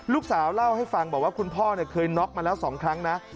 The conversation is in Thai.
เล่าให้ฟังบอกว่าคุณพ่อเคยน็อกมาแล้ว๒ครั้งนะ